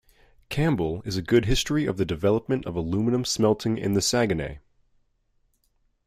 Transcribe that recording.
Campbell is a good history of the development of aluminum smelting in the Saguenay.